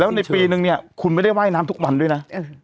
แล้วในปีนึงเนี่ยคุณไม่ได้ว่ายน้ำทุกวันด้วยนะ